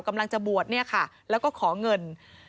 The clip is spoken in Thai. กำลังจะบวชเนี่ยค่ะแล้วก็ขอเงิน